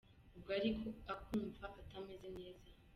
Ubwo ariko akumva atameze neza